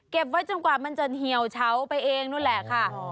ไว้จนกว่ามันจะเหี่ยวเฉาไปเองนั่นแหละค่ะ